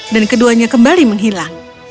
dan keduanya kembali menghilang